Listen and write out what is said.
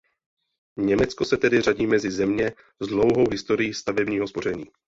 Německo se tedy řadí mezi země s dlouhou historií stavebního spoření.